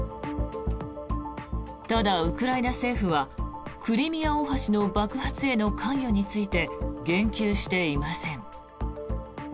ただ、ウクライナ政府はクリミア大橋の爆発への関与について言及していません。